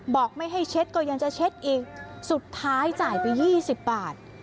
บอกไม่ให้เช็ดก็ยังจะเช็ดอีกสุดท้ายจ่ายไป๒๐บาท